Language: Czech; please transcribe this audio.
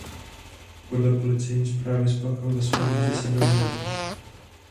Podle policejní zprávy spáchal ve svém bytě sebevraždu.